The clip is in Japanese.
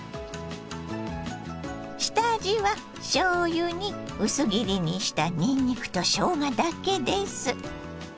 下味はしょうゆに薄切りにしたにんにくとしょうがだけです。